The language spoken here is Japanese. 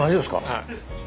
はい。